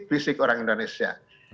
fisik orang indonesia